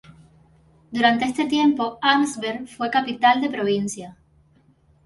Durante este tiempo, Arnsberg fue capital de provincia.